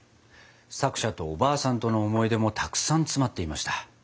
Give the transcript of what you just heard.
作者とおばあさんとの思い出もたくさん詰まっていました。